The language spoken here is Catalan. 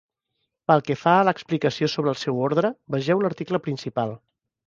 Pel que fa a l'explicació sobre el seu ordre, vegeu l'article principal.